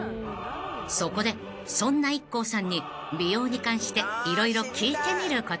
［そこでそんなＩＫＫＯさんに美容に関して色々聞いてみることに］